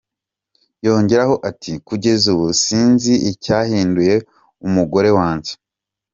Yongeraho ati: “Kugeza ubu sinzi icyahinduye umugore wanjye.